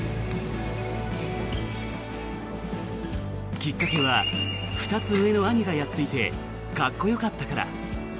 きっかけは２つ上の兄がやっていてかっこよかったから。